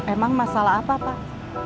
emang masalah apa pak